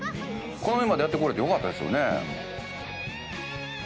ここまでやってこれてよかったですよね。